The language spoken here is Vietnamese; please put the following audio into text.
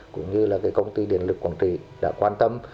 cũng như là công ty điện lực quảng trị đã quan tâm